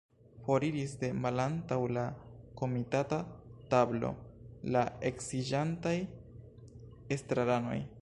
Foriris de malantaŭ la komitata tablo la eksiĝantaj estraranoj.